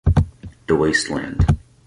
The Wasteland